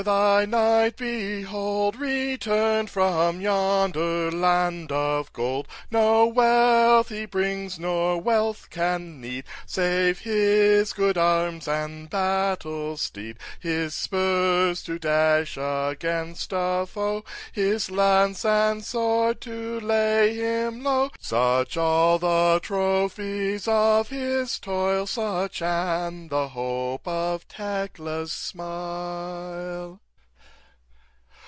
—thy knight behold, Return'd from yonder land of gold; No wealth he brings, nor wealth can need, Save his good arms and battle steed His spurs, to dash against a foe, His lance and sword to lay him low; Such all the trophies of his toil, Such—and the hope of Tekla's smile!